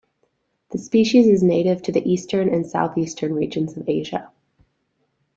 The species is native to the eastern and southeastern regions of Asia.